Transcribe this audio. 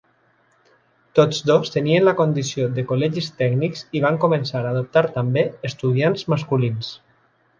Tots dos tenien la condició de col·legis tècnics i van començar a adoptar també estudiants masculins.